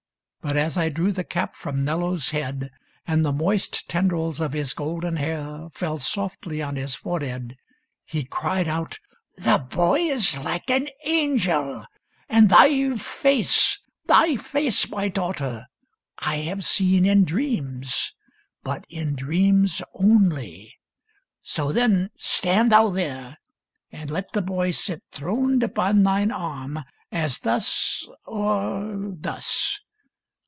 " But as T drew the cap from Nello's head 466 A MATER DOLOROSA And the moist tendrils of his golden hair Fell softly on his forehead, he cried out :*' The boy is like an angel ! And thy face, Thy face, my daughter, I have seen in dreams, But in dreams only. So, then, stand thou there. And let the boy sit throned upon thine arm. As thus, or thus."